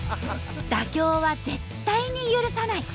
妥協は絶対に許さない！